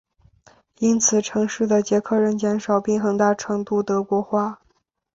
因此城市的捷克人减少并很大程度德国化。